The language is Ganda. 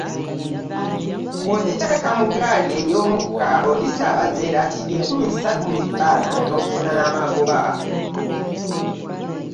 Bw'oziteeka mu ggaali ey'omuka, olisaabaza eratiiri enkumi ssatu mu bitaano n'ofuna n'amagoba.